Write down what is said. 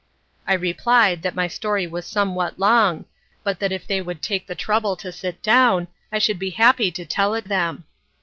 I replied that my story was somewhat long, but that if they would take the trouble to sit down, I should be happy to tell it them.